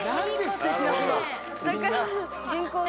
すてきな子だ！